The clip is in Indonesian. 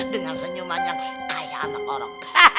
dengan senyuman yang kaya anak orang